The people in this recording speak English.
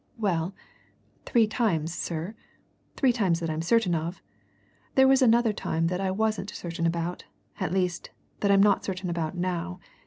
"Well, three times, sir. Three times that I'm certain of there was another time that I wasn't certain about; at least, that I'm not certain about now.